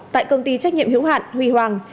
tại công ty trách nhiệm hữu hạn huy hoàng